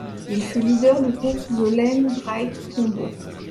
Il fut leader du groupe The Len Bright Combo.